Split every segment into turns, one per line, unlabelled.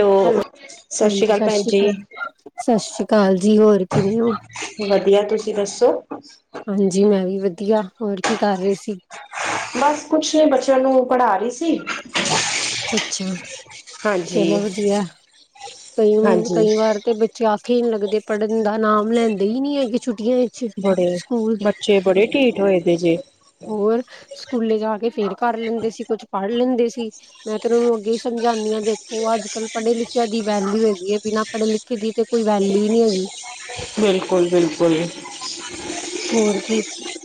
Hello, ਸਤਿ ਸ਼੍ਰੀ ਅਕਾਲ ਭੈਣ ਜੀ
ਸਤਿ ਸ਼੍ਰੀ ਅਕਾਲ ਜੀ ਹੋਰ ਕਿਵੇਂ ਹੋ
ਵਧੀਆ, ਤੁਸੀਂ ਦੱਸੋ
ਹਾਂਜੀ ਮੈਂ ਵੀ ਵਧੀਆ, ਹੋਰ ਕੀ ਕਰ ਰਹੇ ਸੀ
ਬਸ ਕੁਛ ਨਹੀਂ ਬੱਚਿਆਂ ਨੂੰ ਪੜ੍ਹਾ ਰਹੀ ਸੀ।
ਅੱਛਾ ਅੱਛਾ
ਹਾਂਜੀ,
ਚਲੋ ਵਧੀਆ ਕਈ
ਹਾਂਜੀ
ਕਈ ਵਾਰ ਤੇ। ਬੱਚੇ ਆਖੇ ਨਹੀਂ ਲੱਗਦੇ ਪੜ੍ਹਨ ਦਾ ਨਾਮ ਲੈਂਦੇ ਹੀ ਨੀ ਹੈ ਹੈਗੇ। ਛੁੱਟੀਆਂ ਵਿੱਚ
ਬੜੇ
ਸਕੂਲ
ਬੱਚੇ ਬੜੇ ਢੀਠ ਹੋਏ ਦੇ ਜੇ।
ਹੋਰ ਸਕੂਲੇ ਜਾ ਕੇ ਫੇਰ ਕਰ ਲੈਂਦੇ ਸੀ। ਕੁਛ ਪੜ੍ਹ ਲੈਂਦੇ ਸੀ। ਮੈਂ ਤੇ ਉਹਨਾਂ ਨੂੰ ਅੱਗੇ ਹੀ ਸਮਝਾਉਂਦੀ ਹਾਂ। ਦੇਖੋ ਅੱਜ ਕੱਲ੍ਹ ਪੜੇ ਲਿਖਿਆ ਦੀ ਵੈਲਿਊ ਹੈਗੀ ਹੈ ਬਿਨਾਂ। ਪੜ੍ਹੇ ਲਿਖੇ ਦੀ ਤੇ ਕੋਈ ਵੈਲਿਊ ਹੀ ਨਹੀਂ ਹੈਗੀ।
ਬਿਲਕੁਲ ਬਿਲਕੁਲ।
ਹੋਰ ਕੀ।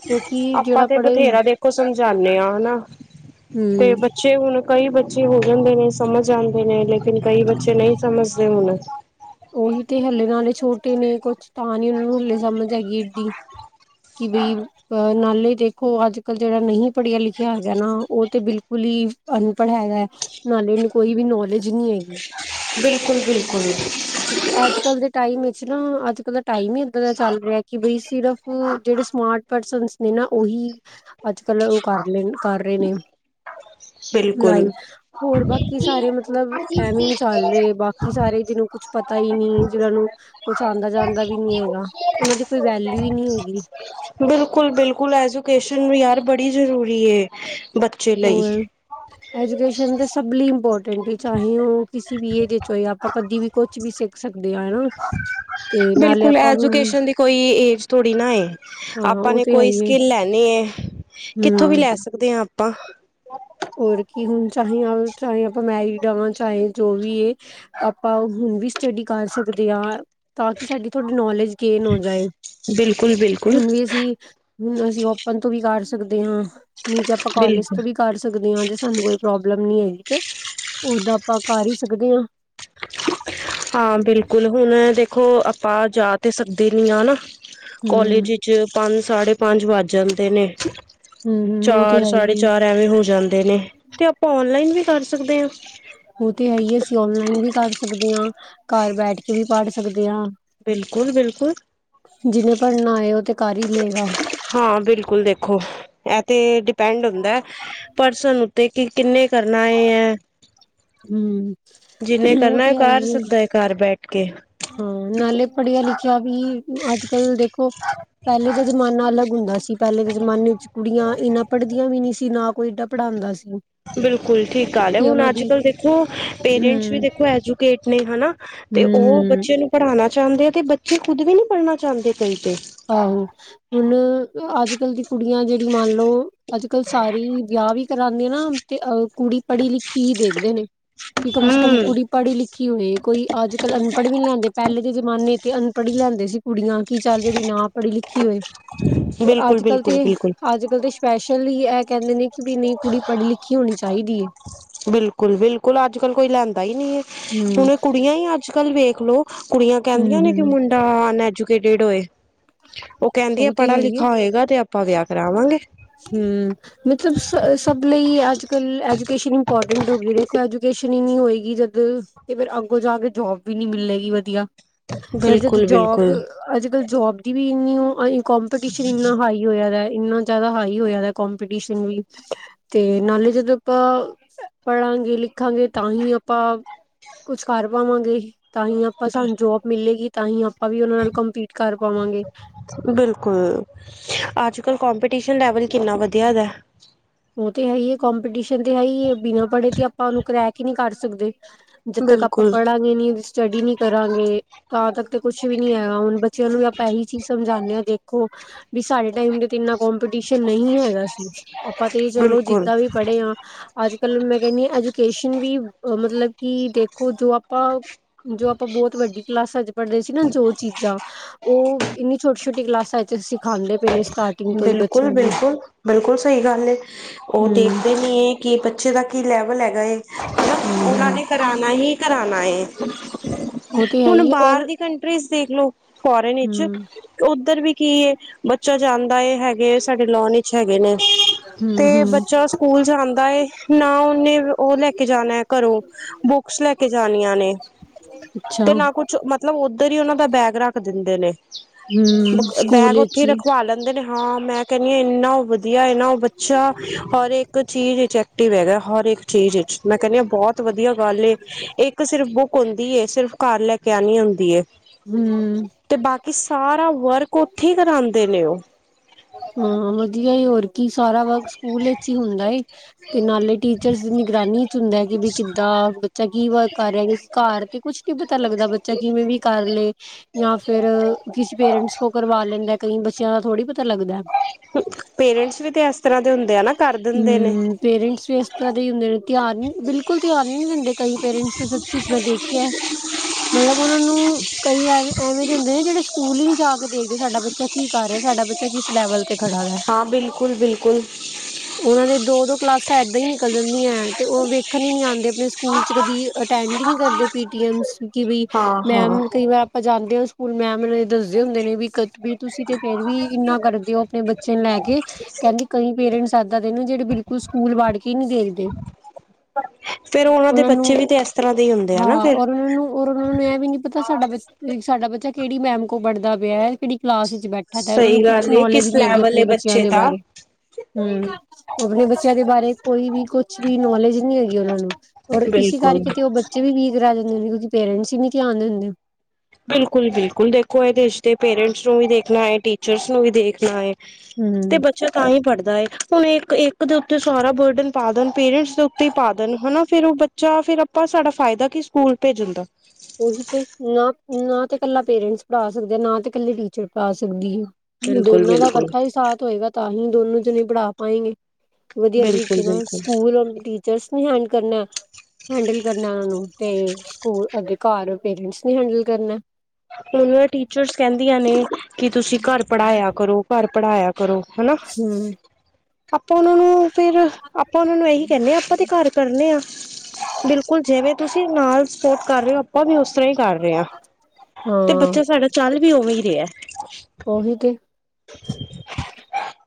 ਕਿਉਂਕਿ
ਆਪਾਂ
ਜਿਹੜਾ
ਤੇ
ਪੜ੍ਹੇ
ਬਥੇਰਾ ਦੇਖੋ ਸਮਝਾਉਂਦੇ ਹਾਂ ਹਨਾ ਤੇ।
ਹਮ
ਬੱਚੇ ਹੁਣ ਕਈ ਬੱਚੇ ਹੋ ਜਾਂਦੇ ਨੇ ਸਮਝ ਜਾਂਦੇ ਨੇ ਲੇਕਿਨ ਕਈ ਬੱਚੇ ਨਹੀਂ ਸਮਝਦੇ ਹੁਣ।
ਉਹੀ ਤੇ ਹਲੇ ਨਾਲੇ ਛੋਟੇ ਨੇ ਕੁਛ ਤਾਂ ਨੀ ਉਹਨਾਂ ਨੂੰ ਹਲੇ ਸਮਝ ਹੈਗੀ ਏਡੀ। ਕਿ ਬਈ। ਅਹ ਨਾਲੇ ਦੇਖੋ ਅੱਜ ਕੱਲ ਜਿਹੜਾ ਨਹੀਂ ਪੜ੍ਹਿਆ ਲਿਖਿਆ ਹੈਗਾ ਨਾ ਉਹ ਤੇ ਬਿਲਕੁਲ ਹੀ। ਅਨਪੜ੍ਹ ਹੈਗਾ ਨਾਲੇ ਇਹਨੂੰ ਕੋਈ ਵੀ ਨੌਲੇਜ ਨਹੀਂ ਹੈਗੀ।
ਬਿਲਕੁਲ-ਬਿਲਕੁਲ
ਕਿਉਂਕਿ ਅੱਜ ਕੱਲ੍ਹ ਦੇ ਟਾਈਮ ਵਿੱਚ ਨਾ ਅੱਜ ਕੱਲ ਦਾ ਟਾਈਮ ਹੀ ਇੱਦਾਂ ਦਾ ਚੱਲ ਰਿਹਾ ਕਿ ਬਈ ਸਿਰਫ ਜਿਹੜੇ ਸਮਾਰਟ ਪਰਸਨਸ ਨੇ ਨਾ, ਉਹੀ ਅੱਜ ਕੱਲ ਉਹ ਕਰ ਲ ਕਰ ਰਹੇ ਨੇ
ਬਿਲਕੁਲ,
ਲਾਈਵ, ਹੋਰ ਬਾਕੀ ਸਾਰੇ ਮਤਲਬ ਐਵੇਂ ਚੱਲ ਰਹੇ ਬਾਕੀ ਸਾਰੇ ਜਿਨੂੰ ਕੁੱਛ ਪਤਾ ਹੀ ਨਹੀਂ, ਜਿਹਨਾਂ ਨੂੰ ਕੁੱਛ ਆਉਂਦਾ ਜਾਂਦਾ ਵੀ ਨੀ ਹੈਗਾ, ਉਹਨਾਂ ਦੀ ਕੋਈ ਵੈਲਿਊ ਹੀ ਨਹੀਂ ਹੈਗੀ।
ਬਿਲਕੁਲ-ਬਿਲਕੁਲ, ਐਜੂਕੇਸ਼ਨ ਯਾਰ ਬੜੀ ਜ਼ਰੂਰੀ ਏ ਬੱਚੇ ਲਈ।
ਹੋਰ ਐਜੂਕੇਸ਼ਨ ਦੇ ਸਭ ਲਈ ਇੰਪੋਰਟੈਂਟ ਚਾਹੇ ਉਹ ਕਿਸੇ ਵੀ ਏਜ 'ਚ ਹੋਏ ਆਪਾਂ ਕਦੀ ਵੀ। ਕੁਛ ਵੀ ਸਿੱਖ ਸਕਦੇ ਹਾਂ ਹਨਾ ਤੇ ਨਾਲੇ
ਬਿਲਕੁਲ
ਆਪਾਂ ਹੁਣ।
ਐਜੂਕੇਸ਼ਨ ਦੀ ਕੋਈ ਏਜ ਥੋੜੀ ਨਾ ਏ
ਹਾਂ
ਆਪਾਂ
ਉਹ
ਨੇ
ਤੇ ਹੈ
ਕੋਈ
ਹੀ ਹੈ
ਸਕਿੱਲ ਲੈਣੇ ਕਿੱਥੋਂ ਵੀ
ਹਮ
ਲੈ। ਸਕਦੇ ਹਾਂ ਆਪਾਂ।
ਹੋਰ ਕੀ ਹੁਣ ਚਾਹੇ ਚਾਹੇ ਆਪਾਂ ਮੈਰਿਡ ਆਂ ਚਾਹੇ ਜੋਂ ਵੀ ਏ। ਆਪਾਂ ਹੁਣ ਵੀ ਸਟੱਡੀ ਕਰ ਸਕਦੇ ਹਾਂ। ਤਾਂ ਕਿ ਸਾਡੀ ਤੁਹਾਡੀ ਨੌਲੇਜ ਗੇਨ ਹੋ ਜਾਏ
ਬਿਲਕੁਲ ਬਿਲਕੁਲ
ਹੁਣ ਵੀ ਅਸੀਂ। ਹੁਣ ਅਸੀਂ ਓਪਨ ਤੋਂ ਵੀ ਕਰ ਸਕਦੇ ਹਾਂ। ਨਹੀਂ ਤੇ ਆਪਾਂ ਕਾਲਜ
ਬਿਲਕੁਲ
ਤੋਂ ਵੀ ਕਰ ਸਕਦੇ। ਸਕਦੇ ਹਾਂ ਜੇ ਸਾਨੂੰ ਕੋਈ ਪ੍ਰੋਬਲਮ ਨੀ ਹੈਗੀ ਤੇ ਉਦਾਂ ਆਪਾਂ ਕਰ ਹੀ ਸਕਦੇ ਹਾਂ।
ਹਾਂ ਬਿਲਕੁਲ ਹੁਣ ਦੇਖੋ ਆਪਾਂ ਜਾ ਤੇ ਸਕਦੇ ਨੀ ਹਾ
ਹਮ
ਕੋਲੇਜ। ਪੰਜ ਸਾਢੇ ਪੰਜ ਵੱਜ ਜਾਂਦੇ ਨੇ
ਹਮ ਉਹ ਤੇ
ਚਾਰ
ਹੈ ਹੀ
ਸਾਢੇ
ਏ।
ਚਾਰ। ਐਵੇਂ ਹੋ ਜਾਂਦੇ ਨੇ ਤੇ ਆਪਾਂ ਓਨਲਾਈਨ ਵੀ ਕਰ ਸਕਦੇ ਹਾਂ।
ਉਹ ਤੇ ਹੈ ਹੀ ਅਸੀਂ ਓਨਲਾਈਨ ਵੀ ਕਰ ਸਕਦੇ ਹਾਂ। ਘਰ ਬੈਠ ਕੇ ਵੀ ਪੜ ਸਕਦੇ ਹਾਂ।
ਬਿਲਕੁਲ ਬਿਲਕੁਲ
ਜਿਹਨੇ ਪੜ੍ਹਨਾ ਹੋਇਆ ਉਹ ਤੇ ਕਰ ਹੀ ਲਏਗਾ।
ਹਾਂ ਬਿਲਕੁਲ ਦੇਖੋ ਇਹ ਤੇ ਡਿਪੈਂਡ ਹੁੰਦਾ ਹੈ। ਪਰਸਨ ਉੱਤੇ ਕਿ ਕਿੰਨੇ ਕਰਨਾ ਹੈ।
ਹੂੰ।
ਜਿੰਨੇ ਕਰਨਾ ਕਰ ਸਕਦਾ ਹੈ ਘਰ ਬੈਠ ਕੇ।
ਹਾਂ ਨਾਲੇ ਪੜ੍ਹਿਆ ਲਿਖਿਆ ਵੀ ਅੱਜ ਕੱਲ ਦੇਖੋ। ਪਹਿਲੇ ਦਾ ਜ਼ਮਾਨਾ ਅਲੱਗ ਹੁੰਦਾ ਸੀ। ਪਹਿਲੇ ਦੇ ਜਮਾਨੇ ਵਿੱਚ ਕੁੜੀਆਂ ਇਨਾ ਪੜ੍ਹਦੀਆਂ ਵੀ ਨਹੀਂ ਸੀ ਨਾ ਕੋਈ। ਪੜ੍ਹਾਉਂਦਾ ਸੀ।
ਬਿਲਕੁਲ ਠੀਕ ਗੱਲ ਹੈ।
ਤੇ
ਹੁਣ
ਉਹਨਾਂ
ਅੱਜ
ਦੀ
ਕੱਲ੍ਹ ਦੇਖੋ ਪੇਰੈਂਟਸ ਵੀ
ਹਮ
ਦੇਖੋ ਐਜੂਕੇਟ ਨੇ ਹਨਾ। ਤੇ
ਹੂੰ
ਉਹ
ਹੂੰ।
ਬੱਚੇ ਪੜ੍ਹਾਉਣਾ ਚਾਹੁੰਦੇ ਆ ਤੇ ਬੱਚੇ ਖੁਦ ਵੀ ਨਹੀਂ ਪੜ੍ਹਨਾ ਚਾਹੁੰਦੇ ਕਈ ਤੇ।
ਆਹੋ ਹੁਣ ਅੱਜ ਕੱਲ ਦੀ ਕੁੜੀਆਂ ਜਿਹੜੀ ਮੰਨ ਲਓ। ਅੱਜ ਕੱਲ੍ਹ ਸਾਰੀ ਵਿਆਹ ਵੀ ਕਰਾਉਂਦੇ ਆ ਨਾ ਤੇ ਅ ਕੁੜੀ ਪੜ੍ਹੀ ਲਿਖੀ ਹੀ ਦੇਖਦੇ ਨੇ। ਕਿ ਕਮ ਸੇ ਕਮ
ਹਮ
ਕੁੜੀ। ਪੜ੍ਹੀ ਲਿਖੀ ਹੋਵੇ ਕੋਈ ਅੱਜ ਕੱਲ੍ਹ ਅਨਪੜ੍ਹ ਵੀ ਨਹੀਂ ਲਿਆਂਦੇ ਪਹਿਲੇ ਦੇ ਜਮਾਨੇ ਤੇ ਅਨਪੜ੍ਹ ਹੀ ਲਿਆਂਦੇ ਸੀ ਕੁੜੀਆਂ ਕੀ ਚੱਲ। ਜਿਹੜੀ ਨਾ ਪੜ੍ਹੀ ਲਿਖੀ ਹੋਏ। ਉਹ
ਬਿਲਕੁਲ
ਅੱਜ ਕੱਲ
ਬਿਲਕੁਲ
ਤੇ
ਬਿਲਕੁਲ
ਅੱਜ ਕੱਲ ਦੇ। ਸਪੈਸ਼ਲੀ ਇਹ ਕਹਿੰਦੇ ਨੇ ਕਿ ਵੀ ਨਹੀਂ ਕੁੜੀ ਪੜ੍ਹੀ ਲਿਖੀ ਹੋਣੀ ਚਾਹੀਦੀ ਹੈ।
ਬਿਲਕੁਲ ਬਿਲਕੁਲ ਅੱਜ ਕੱਲ ਕੋਈ ਲੈਂਦਾ ਹੀ ਨਹੀਂ ਹੈ
ਹੂੰ,
ਹੁਣ ਇਹ ਕੁੜੀਆਂ ਹੀ ਅੱਜ ਕੱਲ ਵੇਖ ਲੳ। ਕੁੜੀਆਂ
ਹੂੰ,
ਕਹਿੰਦੀਆਂ ਨੇ ਕਿ
ਹੂੰ
ਮੁੰਡਾ ਅਨਐਜੂਕੇਟਿਡ ਹੋਏ ਉਹ। ਕਹਿੰਦੀ ਆ
ਤੇ
ਪੜ੍ਹਾ
ਹੈ
ਲਿਖਾ ਹੋਏਗਾ ਤੇ ਆਪਾਂ ਵਿਆਹ ਕਰਾਵਾਂਗੇ।
ਹੂੰ ਮਤਲਬ ਸ ਸਭ ਲਈ ਅੱਜ ਕੱਲ ਐਜੂਕੇਸ਼ਨ ਇੰਪੋਰਟੈਂਟ ਹੋ ਗਈ ਦੇਖੋ। ਐਜੂਕੇਸ਼ਨ ਨਹੀਂ ਹੋਏਗੀ। ਜਦ ਤੇ ਫਿਰ ਅੱਗੋਂ ਜਾ ਕੇ ਜੋਬ ਵੀ ਨੀ ਮਿਲੇਗੀ ਵਧੀਆ। ਫੇਰ ਜਦੋਂ
ਬਿਲਕੁਲ
ਜੋਬ,
ਬਿਲਕੁਲ
ਅੱਜ ਕੱਲ ਜੋਬ ਦੀ ਵੀ ਇਨੀ ਕਪੀਟੀਸ਼ਨ ਇੰਨਾ ਹਾਈ ਹੋਇਆ ਦਾ ਇੰਨਾ ਜ਼ਿਆਦਾ ਹਾਈ ਹੋਇਆ ਦਾ ਕਪੀਟੀਸ਼ਨ ਵੀ। ਤੇ ਨਾਲੇ ਜਦੋਂ ਆਪਾਂ ਪੜਾਂਗੇ, ਲਿਖਾਂਗੇ ਤਾਂ ਹੀ ਆਪਾਂ। ਕੁਛ ਕਰ ਪਾਵਾਂਗੇ ਹੀ। ਤਾਂ ਹੀ ਆਪਾਂ ਸਾਨੂੰ ਜੋਬ ਮਿਲੇਗੀ, ਤਾਂ ਹੀ ਆਪਾਂ ਵੀ ਉਹਨਾਂ ਨਾਲ ਕੰਪੀਟ ਕਰ ਪਾਵਾਂਗੇ
ਬਿਲਕੁਲ, ਅੱਜ ਕਲ ਕਪੀਟੀਸ਼ਨ ਲੈਵਲ ਕਿੰਨਾ ਵਧੀਆ ਹੈਗਾ।
ਉਹ ਤੇ ਹੈ ਹੀ ਹੈ, ਕਪੀਟੀਸ਼ਨ ਤੇ ਹੈ ਹੀ, ਬਿਨਾਂ ਪੜ੍ਹੇ ਤੇ ਆਪਾਂ ਉਹਨੂੰ ਕਰੈਕ ਹੀ ਨਹੀਂ ਕਰ ਸਕਦੇ। ਜਿੱ ਤੱਕ ਆਪਾਂ
ਬਿਲਕੁਲ
ਪੜਾਂਗੇ ਨੀ ਉਹਦੀ ਸਟੱਡੀ ਨੀ ਕਰਾਂਗੇ। ਤਾਂ ਤੱਕ ਤੇ ਕੁਛ ਵੀ ਨੀ ਹੈਗਾ, ਹੁਣ ਬੱਚਿਆਂ ਨੂੰ ਵੀ ਆਪਾਂ ਇਹੀ ਚੀਜ਼ ਸਮਝਾਉਦੇ ਹਾਂ ਦੇਖੋ ਵੀ ਸਾਡੇ ਟਾਈਮ ਦੇ ਇੰਨਾ ਕਪੀਟੀਸ਼ਨ ਨਹੀਂ ਹੈਗਾ ਸੀ, ਆਪਾਂ ਤੇ ਚਲੋ
ਬਿਲਕੁਲ
ਜਿਦਾਂ ਵੀ ਪੜ੍ਹੇ ਹ। ਅੱਜ ਕੱਲ ਮੈਂ ਕਹਿੰਦੀ ਹ ਐਜੂਕੇਸ਼ਨ ਵੀ ਮਤਲਬ ਕਿ ਦੇਖੋ ਜੋ ਆਪਾਂ। ਜੋ ਆਪਾਂ ਬਹੁਤ ਵੱਡੀ ਕਲਾਸਾਂ ਚ। ਪੜਦੇ ਸੀ ਨਾ ਜੋ ਚੀਜ਼ਾਂ ਉਹ ਇੰਨੀ ਛੋਟੀ ਛੋਟੀ ਕਲਾਸਾਂ ਚ। ਆਂਦੇ ਪਏ ਨੇ ਸਟਾਰਟਿੰਗ ਤੋਂ ਹੀ
ਬਿਲਕੁਲ
ਬੱਚਿਆਂ ਨੂੰ।
ਬਿਲਕੁਲ ਬਿਲਕੁਲ, ਸਹੀ ਗੱਲ ਉਹ
ਹਮ
ਦੇਖਦੇ ਨੀ ਹੈ ਕਿ ਬੱਚੇ ਦਾ ਕੀ ਲੈਵਲ ਹੈਗਾ ਏ
ਹਮ
ਉਹਨਾਂ
ਹਮ
ਨੇ ਕਰਾਉਣਾ ਹੀ ਕਰਾਉਣਾ ਹੈ,
ਉਹ ਤੇ ਹੈ
ਹੁਣ
ਹੀ ਔਰ
ਬਾਹਰ ਦੀ ਕੰਟਰੀਜ਼ ਦੇਖਲਓ ਫੋਰਨ ਵਿੱਚ,
ਹਮ
ਉੱਧਰ ਵੀ ਕੀ ਹੈ? ਬੱਚਾ ਜਾਂਦਾ ਹੈਗਾ। ਇਹ ਸਾਡੇ ਲੋਨ ਵਿੱਚ ਹੈਗੇ ਨੇ।
ਹਮ
ਤੇ
ਹਮ
ਬੱਚਾ ਸਕੂਲ ਜਾਂਦਾ ਹੈ, ਨਾ ਉਹਨੇ ਉਹ ਲੈ ਕੇ ਜਾਣਾ ਹੈ ਘਰੋਂ। ਬੁੱਕਸ ਲੈ ਕੇ ਜਾਣੀਆਂ ਨੇ
ਅੱਛਾ
ਤੇ ਨਾ। ਮਤਲਬ ਉੱਧਰ ਹੀ ਉਹਨਾਂ ਦਾ ਬੈਗ ਰੱਖ ਦਿੰਦੇ ਨੇ।
ਹਮ ਸਕੂਲ
ਬੈਗ ਉੱਥੇ
ਵਿੱਚ ਹੀ।
ਰਖਵਾ ਲੈਂਦੇ ਨੇ, ਹਾਂ ਮੈਂ ਕਹਿੰਦੀ ਆ ਇੰਨਾ ਵਧੀਆ ਇਨਾ ਉਹ ਬੱਚਾ ਹਰ ਇੱਕ ਚੀਜ਼। ਐਕਟਿਵ ਹੈਗਾ, ਹਰ ਇੱਕ ਚੀਜ਼ ਵਿਚ ਮੈਂ ਕਹਿੰਦੀ ਹਾਂ ਬਹੁਤ ਵਧੀਆ ਗੱਲ ਏ ਇੱਕ ਸਿਰਫ ਬੁੱਕ। ਹੁੰਦੀ ਏ ਸਿਰਫ਼ ਘਰ ਲੈ ਕੇ ਆਣੀ ਹੁੰਦੀ ਏ।
ਹਮ।
ਤੇ ਬਾਕੀ ਸਾਰਾ ਵਰਕ ਉੱਥੇ ਕਰਾਉਂਦੇ ਨੇ ਉਹ।
ਹਾਂ ਵਧੀਆ, ਹੋਰ ਕੀ ਸਾਰਾ ਵਰਕ ਸਕੂਲ ਵਿੱਚ ਹੀ ਹੁੰਦਾ ਏ। ਤੇ ਨਾਲੇ ਟੀਚਰਸ ਦੀ ਨਿਗਰਾਨੀ ਚ ਹੁੰਦਾ ਹੈ, ਕਿ ਬ ਕਿੱਦਾਂ ਬੱਚਾ ਕੀ ਵਰਕ ਕਰ ਰਿਹਾ ਘਰ। ਤੇ ਕੁਛ ਨੀ ਪਤਾ ਲੱਗਦਾ ਬੱਚਾ ਕਿਵੇਂ ਵੀ ਕਰ ਲਏ। ਜਾਂ ਫਿਰ ਕਿਸੇ ਪੇਰੈਂਟਸ ਕੋ ਕਰਵਾ ਲੈਂਦਾ ਕਈ ਬੱਚਿਆਂ ਦਾ ਥੋੜੀ
ਪੇਰੈਂਟਸ, ਵੀ ਤੇ ਇਸ ਤਰ੍ਹਾਂ ਦੇ ਹੁੰਦੇ ਆ ਨਾ ਕਰ ਦਿੰਦੇ ਨੇ।
ਹਮ ਪੇਰੈਂਟਸ ਵੀ ਇਸ ਤਰ੍ਹਾਂ ਦੇ ਹੀ ਹੁੰਦੇ ਨੇ ਧਿਆਨ ਨੀ ਬਿਲਕੁਲ ਧਿਆਨ ਨਹੀਂ ਦਿੰਦੇ ਕਈ ਪੇਰੈਂਟਸ। ਚੀਜ਼ ਮੈਂ ਦੇਖੀ ਹੈ। ਮਤਲਬ, ਉਹਨਾਂ ਨੂੰ ਕਈ ਐਵੇ ਐਵੇਂ ਦੇ ਹੁੰਦੇ ਨੇ ਜਿਹੜੇ ਸਕੂਲ ਨਹੀਂ ਜਾ ਕੇ ਦੇਖਦੇ ਸਾਡਾ ਬੱਚਾ ਕੀ ਕਰ ਰਿਹਾ ਸਾਡਾ ਬੱਚਾ। ਕਿਸ ਲੈਵਲ ਤੇ ਖੜਾ ਹੈ।
ਹਾਂ ਬਿਲਕੁਲ ਬਿਲਕੁਲ
ਉਹਨਾਂ ਦੇ ਦੋ, ਦੋ ਕਲਾਸਾਂ ਏਦਾਂ ਹੀ ਨਿਕਲ ਜਾਂਦੀਆਂ ਹੈ ਤੇ ਉਹ ਵੇਖਣ ਹੀ ਨੀ ਆਂਦੇ ਆਪਣੇ ਸਕੂਲ ਚ ਕਦੇ ਅਟੈਂਡ ਹੀ ਨ ਕਰਦੇ ਪੀਟੀਐਮ ਬ
ਹਾਂ ਹਾਂ
ਮੈਮ ਕਈ ਵਾਰ। ਜਾਂਦੇ ਹੋ ਸਕੂਲ ਮੈਮ ਦੱਸਦੇ ਹੁੰਦੇ ਨੇ ਵੀ ਕ ਵੀ ਤੁਸੀਂ ਤੇ ਫੇਰ ਵੀ। ਨਾ, ਕਰ ਦਿਓ ਆਪਣੇ ਬੱਚੇ ਨੂੰ ਲੈ ਕੇ ਕਹਿੰਦੀ ਕਈ ਸਾਦਾ ਤੈਨੂੰ ਜਿਹੜੇ ਬਿਲਕੁਲ ਸਕੂਲ ਵਾੜ ਕੇ ਨਹੀਂ ਦੇਖਦੇ।
ਫੇਰ ਦੇ
ਉਹਨਾਂ
ਬੱਚੇ
ਨੂੰ,
ਵੀ ਤੇ ਇਸ ਤਰ੍ਹਾਂ ਦੇ ਹੀ ਹੁੰਦੇ ਆ ਨਾ
ਹਾਂ
ਫਿਰ
ਔਰ ਉਹਨਾਂ ਨੂੰ ਔਰ ਉਹਨਾਂ ਨੂੰ ਇਹ ਵੀ ਨੀ ਪਤਾ ਸਾਡਾ ਬੱਚ ਸਾਡਾ ਬੱਚਾ ਕਿਹੜੀ ਮੈਮ ਕੋ ਪੜ੍ਹਦਾ ਪਿਆ, ਕਿਹੜੀ ਕਲਾਸ ਵਿੱਚ ਬੈਠ। ਤਾਂ ਇਹਨਾਂ ਨੂੰ
ਸਹੀ
ਕੁਛ
ਗੱਲ ਏ
ਨੋਲੇਜ
ਕਿਸ
ਨਹੀਂ ਹੈਗੀ
ਲੈਵਲ
ਆਪਣੇ
ਏ
ਬੱਚਿਆਂ
ਬੱਚੇ
ਦੇ
ਦਾ
ਬਾਰੇ। ਹਮ ਆਪਣੇ ਬੱਚਿਆਂ ਦੇ ਬਾਰੇ ਕੋਈ ਵੀ ਕੁਛ ਵੀ ਨੌਲੇਜ ਨੀ ਹੈਗੀ ਉਹਨਾਂ ਨੂੰ ਔਰ ਇਸ
ਬਿਲਕੁਲ
ਕਰਕੇ ਤੇ ਉਹ ਬੱਚੇ ਵੀਕ ਰਹਿ ਜਾਂਦੇ ਕਿਉਂਕਿ ਪੇਰੈਂਟਸ ਹੀ ਨੀ ਧਿਆਨ ਦਿੰਦੇ
ਬਿਲਕੁਲ ਬਿਲਕੁਲ ਦੇਖੋ ਇਹ ਦੇਸ਼ ਦੇ ਪੇਰੈਂਟਸ ਨੂੰ ਵੀ ਦੇਖਣਾ ਹੈ ਟੀਚਰਸ ਨੂੰ ਵੀ ਦੇਖਣਾ ਹੈ। ਤੇ
ਹਮ
ਬੱਚਾ ਤਾਂ ਹੀ ਪੜ੍ਹਦਾ ਹੈ ਹੁਣ ਇੱਕ ਇੱਕ ਦੇ ਉੱਤੇ ਸਹਾਰਾ ਬਰਡਨ ਪਾ ਦੇਣ ਪੇਰੈਂਟਸ ਦੇ ਉੱਤੇ ਹੀ ਪਾ ਦੇਣ ਹਨਾ ਫੇਰ ਉਹ ਬ ਚ ਫੇਰ ਆਪਾਂ ਸਾਡਾ ਫਾਇਦਾ ਕੀ ਸਕੂਲ ਭੇਜਣ ਦਾ
ਉਹੀ ਨਾ ਨਾ ਤੇ ਕੱਲਾ ਪੇਰੈਂਟਸ ਪੜ੍ਹਾ ਸਕਦੇ ਆ ਨਾ ਤੇ ਇਕੱਲੇ ਟੀਚਰ ਪੜ੍ਹਾ ਸਕਦੀ ਹੈ।
ਬਿਲਕੁਲ
ਦੋਨਾਂ ਦਾ
ਬਿਲਕੁਲ
ਇਕੱਠਾ ਹੀ ਸਾਥ ਹੋਏਗਾ ਤਾਂ ਅਸੀਂ ਦੋਨੋ ਚ ਨਹੀਂ ਪੜ੍ਹਾ ਪਾਏਂਗੇ। ਵਧੀਆ
ਬਿਲਕੁਲ
ਤਰੀਕੇ ਨਾਲ
ਬਿਲਕੁਲ
ਸਕੂਲ ਨੂੰ ਹੈਡ ਕਰਨਾ ਹੈਂਡਲ ਕਰਨਾ ਓਹ ਨੂੰ ਤੇ ਸਕੂਲ ਅੱਗੇ ਘਰ ਪੇਰੈਂਟਸ ਨੇ ਹੈਂਡਲ ਕਰਨਾ
ਉਹ ਟੀਚਰਸ ਕਹਿੰਦੀਆਂ ਨੇ ਕਿ ਤੁਸੀਂ ਘਰ ਪੜ੍ਹਾਇਆ ਕਰੋ ਘਰ ਪੜ੍ਹਾਇਆ ਕਰੋ ਹਨਾ
ਹੂੰ
ਆਪਾਂ ਉਹਨਾਂ ਨੂੰ ਫੇਰ, ਆਪਾਂ ਉਹਨਾਂ ਨੂੰ ਇਹੀ ਕਹਿੰਦੇ ਹਾਂ ਆਪਾਂ ਤੇ ਘਰ ਕਰਨੇ ਹਾਂ ਬਿਲਕੁਲ ਜਿਵੇਂ। ਤੁਸੀਂ ਨਾਲ ਸਪੋਰਟ ਕਰ ਰਹੇ ਹੋ, ਆਪਾਂ ਵੀ ਉਸ ਤਰਾਂ ਹੀ ਕਰ ਰਹੇ ਹਾਂ। ਤੇ
ਹਾਂ
ਬੱਚਾ ਸਾਡਾ ਚੱਲ ਵੀ ਉਵੇਂ ਹੀ ਰਿਹਾ।
ਉਹੀ ਤੇ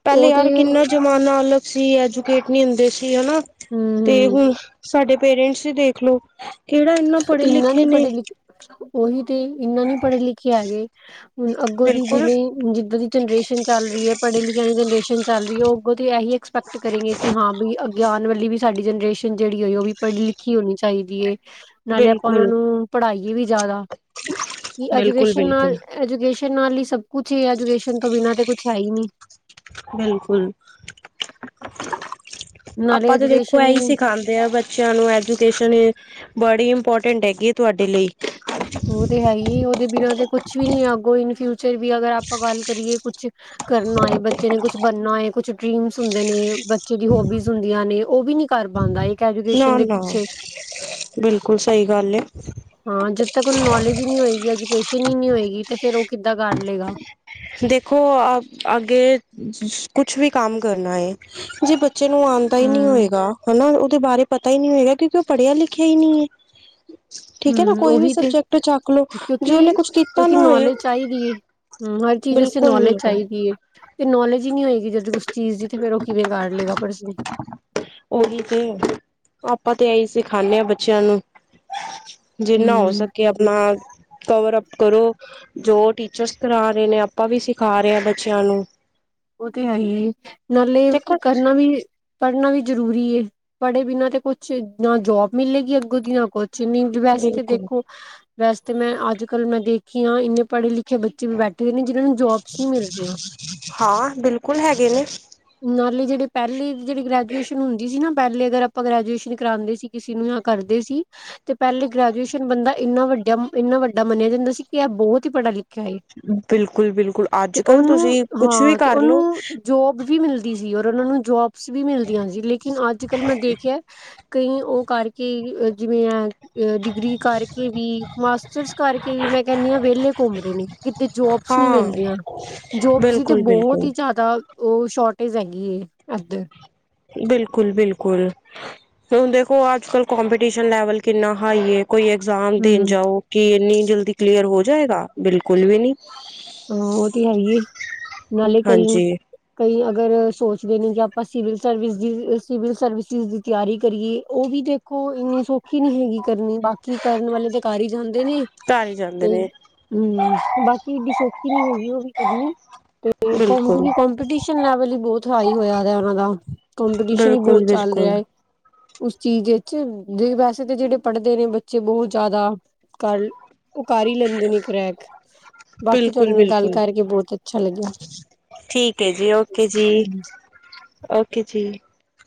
ਪਹਿਲੇ
ਉਹ
ਯਾਰ
ਤੇ
ਕਿੰਨਾ ਜ਼ਮਾਨਾ ਅਲਗ ਸੀ ਐਜੂਕੇਟ ਨਹੀਂ ਹੁੰਦੇ ਸੀ। ਹਨਾ ਤੇ
ਹੂੰ
ਹੁਣ ਸਾਡੇ ਪੇਰੈਂਟਸ ਹੀ ਦੇਖਲੋ। ਕਿਹੜਾ ਇਨਾ ਪੜ੍ਹੇ
ਇੰਨਾ
ਲਿਖੇ
ਨੀ
ਨੇ
ਪੜ੍ਹੇ ਲਿਖੇ ਉਹੀ ਤੇ ਇੰਨਾ ਨੀ ਪੜ੍ਹੇ ਲਿਖੇ ਹੈਗੇ ਹੁਣ ਅੱਗੋਂ ਦੀ
ਬਿਲਕੁਲ
ਜਿਵੇਂ ਜਿੱਦਾਂ ਦੀ ਜਨਰੇਸ਼ਨ ਚੱਲ ਰਹੀ ਹੈ ਪੜ੍ਹੇ ਲਿਖਿਆ ਦੀ ਜਨਰੇਸ਼ਨ ਚੱਲ ਰਹੀ ਹੈ ਉਹ ਓਹ ਤੇ ਇਹੀ ਐਕਸਪੈਕਟ ਕਰੇਗੇ ਕਿ ਹਾਂ ਵੀ ਅੱਗੇ ਆਉਣ ਵਾਲੀ ਵੀ ਸਾਡੀ ਜਨਰੇਸ਼ਨ ਜਿਹੜੀ ਹੈ ਉਹ ਵੀ ਪੜ੍ਹੀ ਲਿਖੀ ਹੋਣੀ ਚਾਹੀਦੀ ਹੈ। ਨਾਲੇ ਆਪਾਂ ਉਹਨਾਂ
ਬਿਲਕੁਲ
ਨੂੰ ਪੜ੍ਹਾਈਏ ਵੀ ਜ਼ਿਆਦਾ ਕਿ
ਬਿਲਕੁਲ
ਐਜੂਕੇਸ਼ਨ
ਬਿਲਕੁਲ
ਨਾਲ ਐਜੂਕੇਸ਼ਨ ਨਾਲ ਹੀ ਸਭ ਕੁਛ ਹੀ ਐਜੂਕੇਸ਼ਨ ਤੋਂ ਬਿਨਾਂ ਤੇ ਕੁਛ ਹੈ ਹੀ ਨਹੀਂ
ਬਿਲਕੁਲ।
ਨਾਲੇ
ਆਪਾਂ ਤੇ ਦੇਖੋ
ਐਜੂਕੇਸ਼ਨ ਹੀ
ਇਹੀ
ਨੀ
ਸਿਖਾਉਦੇ ਆ ਬੇ ਬੱਚਿਆਂ ਨੂੰ ਐਜੂਕੇਸ਼ਨ ਬੜੀ ਇੰਪੋਰਟੈਂਟ ਹੈਗੀ ਹੈ ਤੁਹਾਡੇ ਲਈ
ਉਹ ਤੇ ਹੈ ਹੀ ਉਹਦੇ ਬਿਨਾਂ ਤੇ ਕੁਛ ਵੀ ਨੀ ਅੱਗੋਂ ਇਨ ਫਿਊਚਰ ਵੀ ਅਗਰ ਆਪਾਂ ਗੱਲ ਕਰੀਏ। ਕੁ ਕਰਨਾ ਆਏ ਬੱਚੇ ਨੇ ਕੁਛ ਕੁ ਬਣਨਾ ਏ ਕੁਛ ਡਰੀਮਸ ਹੁੰਦੇ ਨੇ, ਬੱਚੇ ਦੀ ਹੋਬੀਜ਼ ਹੁੰਦੀਆਂ ਨੇ, ਉਹ ਵੀ ਨੀ ਕਰ ਪਾਉਂਦਾ।
ਨਾ ਨਾ ਬਿਲਕੁਲ ਸਹੀ ਗੱਲ ਹੈ।
ਹਾਂ ਜਦ ਤੱਕ ਉਹਨੂੰ ਨੌਲੇਜ ਹੀ ਨੀ ਹੋਏਗੀ ਐਜੂਕੇਸ਼ਨ ਹੀ ਨੀ ਹੋਏਗੀ ਤੇ ਫੇਰ ਉਹ ਕਿੱਦਾਂ ਕਰ ਲਏਗਾ।
ਦੇਖੋ ਅ ਅੱਗੇ ਕੁਛ ਵੀ ਕੰਮ ਕਰਨਾ ਹੈ। ਜੇ ਬੱਚੇ ਨੂੰ ਆਣ ਪਤਾ ਹੀ ਨਹੀਂ
ਹੂੰ,
ਹੋਏਗਾ ਹਨਾ, ਉਹਦੇ ਬਾਰੇ ਪਤਾ ਹੀ ਨਹੀਂ ਹੋਏਗਾ, ਕਿਉਂਕਿ ਉਹ ਪੜ੍ਹਿਆ ਲਿਖਿਆ ਹੀ ਨਹੀਂ ਹੈ। ਠੀਕ ਹੈ ਨਾ
ਹੂੰ
ਕੋਈ ਵੀ
ਉਹੀ ਤੇ
ਸਬਜੈਕਟ ਚੱਕ ਲੋ ਜੇ ਉਹਨੇ
ਕਿਉਂਕਿ
ਕੁਛ ਕੀਤਾ
ਕਿਉਂਕਿ
ਨਾ ਹੋਏ
ਨੌਲੇਜ ਚਾਹੀਦੀ ਹੈ ਹਮ ਹਰ ਚੀਜ਼ ਇਸੇ
ਬਿਲਕੁਲ
ਨੌਲੇਜ
ਬਿਲਕੁਲ
ਚਾਹੀਦੀ ਹੈ। ਜੇ ਨੌਲੇਜ ਹੀ ਨਹੀਂ ਹੋਏਗੀ, ਜਦੋਂ ਉਸ ਚੀਜ਼ ਦੀ ਤੇ, ਫਿਰ ਉਹ ਕਿਵੇਂ ਕਰ ਲਏਗਾ, ਪਰਸੇ
ਉਹੀ ਤੇ, ਆਪਾਂ ਤੇ ਇਹੀ ਸਿਖਾਂਦੇ ਹਾਂ, ਬੱਚਿਆਂ ਨੂੰ ਜਿੰਨਾ ਹੋ
ਹੂੰ
ਸਕੇ ਆਪਣਾ ਕਵਰ ਅੱਪ ਕਰੋ, ਜੋ ਟੀਚਰਸ ਕਰਾ ਰਹੇ ਨੇ, ਆਪਾਂ ਵੀ ਸਿਖਾ ਰਹੇ ਹਾਂ ਬੱਚਿਆਂ ਨੂੰ
ਉਹ ਤੇ ਹੈ ਹੀ ਨਾਲੇ
ਦੇਖੋ
ਕਰਨਾ ਵੀ ਪੜ੍ਹਨਾ ਵੀ ਜ਼ਰੂਰੀ ਪੜ੍ਹੇ ਬਿਨਾਂ ਤੇ ਕੁਛ ਨਾ ਜੋਬ ਮਿਲੇਗੀ ਅੱਗੋਂ ਦੀ ਨਾ ਕੁਛ ਵੈਸੇ ਤਾਂ
ਬਿਲਕੁਲ
ਦੇਖੋ ਵੈਸੇ ਮੈਂ ਅੱਜ ਕੱਲ ਮੈਂ ਦੇਖੀ ਹਾਂ ਇੰਨੇ ਪੜ੍ਹੇ ਲਿਖੇ ਆਖੇ ਬੱਚੇ ਵੀ ਬੈਠੇ ਰ ਨੇ ਜਿਹਨਾਂ ਨੂੰ ਜੋਬਸ ਨਹੀਂ ਮਿਲ ਰਹੀਆਂ।
ਹਾਂ ਬਿਲਕੁਲ ਹੈਗੇ ਨੇ।
ਨਾਲੇ ਜਿਹੜੇ ਪਹਿਲੇ ਜਿਹੜੀ ਗ੍ਰੈਜੂਏਸ਼ਨ ਹੁੰਦੀ ਸੀ ਨਾ, ਪਹਿਲੇ ਅਗਰ ਆਪਾਂ ਗ੍ਰੈਜੂਏਸ਼ਨ ਕਰਾਉਂਦੇ ਸੀ। ਕਿਸੇ ਨੂੰ ਨਾ ਕਰਦੇ ਸੀ। ਤੇ ਪਹਿਲੇ ਗ੍ਰੈਜੂਏਸ਼ਨ ਬੰਦਾ ਇੰਨਾ ਵੱਡਾ, ਇੰਨਾ ਵੱਡਾ ਮੰਨਿਆ ਜਾਂਦਾ ਸੀ, ਕਿ ਇਹ ਬਹੁਤ ਹੀ ਪੜ੍ਹਾ ਲਿਖਿਆ। ਏ
ਬਿਲਕੁਲ-ਬਿਲਕੁਲ, ਅੱਜ
ਤੇ
ਕੱਲ
ਉਹਨੂੰ
ਤੁਸੀਂ ਕੁਛ ਵੀ
ਹਾਂ ਤੇ
ਕਰਲੋ
ਉਹਨੂੰ ਜੋਬ ਵੀ ਮਿਲਦੀ ਸੀ। ਔਰ ਉਹਨਾਂ ਨੂੰ ਜੋਬਸ ਵੀ ਮਿਲਦੀਆਂ ਸੀ, ਲੇਕਿਨ ਅੱਜ ਕੱਲ ਮੈਂ ਦੇਖਿਆ ਕਈ, ਉਹ ਕਰਕੇ ਜਿਵੇਂ ਆ ਡਿਗਰੀ ਕਰਕੇ ਵੀ, ਮਾਸਟਰਸ ਕਰਕੇ ਵੀ ਮੈਂ, ਕਿਹਨੀ ਆ, ਵਿਹਲੇ ਘੁੰਮ ਰਹੇ ਨੇ। ਕਿਤੇ ਜੋਬਸ ਨੀ
ਹਾਂ
ਮਿਲਦੀਆਂ, ਜੋਬ ਤੇ
ਬਿਲਕੁਲ
ਬਹੁਤ
ਬਿਲਕੁਲ
ਹੀ ਜ਼ਿਆਦਾ, ਉਹ ਸ਼ੋਰਟੇਜ ਹੈਗੀ ਏ ਇੱਧਰ।
ਬਿਲਕੁਲ-ਬਿਲਕੁਲ, ਹੁਣ ਦੇਖੋ ਅੱਜ- ਕਲ, ਕੌਮਪੀਟੀਸ਼ਨ ਲੈਵਲ ਕਿੰਨਾ ਹਾਈ ਐ। ਕੋਈ ਐਗਜ਼ਾਮ ਦੇਣ
ਹਮ
ਜਾਓ, ਕਿ ਇੰਨੀ ਜਲਦੀ ਕਲੀਅਰ ਹੋ ਜਾਏਗਾ? ਬਿਲਕੁਲ ਵੀ ਨੀ।
ਹਾਂ, ਉਹ ਤੇ ਹੈ ਹੀ ਏ, ਨਾਲੇ ਕਈ
ਹਾਂਜੀ
ਕਈ ਅਗਰ ਸੋਚਦੇ ਨੇ, ਜੇ ਆਪਾਂ ਸਿਵਲ ਸਰਵਿਸ, ਸਿਵਲ ਸਰਵਿਸਿਸ ਤਿਆਰੀ ਕਰੀਏ, ਉਹ ਵੀ ਦੇਖੋ, ਇੰਨੀ ਸੌਖੀ ਨਹੀਂ ਹੈਗੀ ਕਰਨੀ, ਬਾਕੀ ਕਰਨ ਵਾਲੇ ਤਾਂ ਕਰ ਹੀ ਜਾਂਦੇ ਨੇ।
ਘਰ ਹੀ ਜਾਂਦੇ
ਤੇ,
ਨੇ
ਹਮ ਬਾਕੀ ਏਡੀ ਸੋਖ ਨੀ ਹੈਗੀ ਉਹ ਵੀ ਕਰਨੀ, ਤੇ ਕੌਮ
ਬਿਲਕੁਲ
ਕਿਉਕਿ ਕੰਪੀਟੀਸ਼ਨ ਲੈਵਲ, ਹੀ ਬਹੁਤ ਹਾਈ ਹੋਇਆ ਉਹਨਾਂ ਦਾ, ਕੰਪੀਟੀਸ਼ਨ ਹੀ ਬਹੁਤ
ਬਿਲਕੁਲ
ਚੱਲ ਰਿਹਾ
ਬਿਲਕੁਲ
ਹੈ। ਉਸ ਚੀਜ਼ ਚ, ਵੈਸੇ ਤਾਂ ਜਿਹੜੇ ਪੜ੍ਹਦੇ ਨੇ, ਬੱਚੇ ਬਹੁਤ ਜ਼ਿਆਦਾ ਕਰ, ਉਹ ਕਰ ਹੀ ਲੈਂਦੇ ਨੇ ਕਰੈਕ ਬਾਕੀ
ਬਿਲਕੁਲ
ਤੁਹਾਡੇ ਨਾਲ ਗੱਲ
-ਬਿਲਕੁਲ,
ਕਰਕੇ ਬਹੁਤ ਅੱਛਾ ਲੱਗਿਆ
ਠੀਕ ਹੈ ਜੀ, ਓਕੇ ਜੀ। ਓਕੇ ਜੀ।